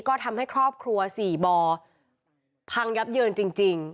ก็ทำให้ครอบครัว๔บ่อพังยับเยินจริง